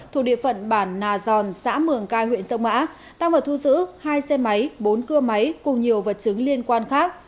thuộc địa phận bản nà giòn xã mường cai huyện sông mã tăng vào thu giữ hai xe máy bốn cưa máy cùng nhiều vật chứng liên quan khác